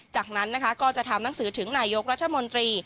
จากนั้นนะคะก็จะทำหนังสือถึงนายกรัฐมนตรี